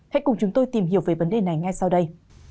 hãy cùng chúng tôi tìm hiểu về vấn đề này ngay sau đây